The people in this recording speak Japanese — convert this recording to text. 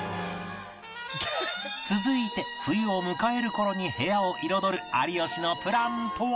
続いて冬を迎える頃に部屋を彩る有吉のプランとは？